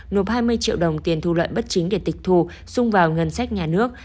nộp hai mươi triệu đồng tiền thu lợi bất chính để tịch thù xung vào ngân sách nhà nước